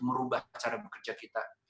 merubah cara bekerja kita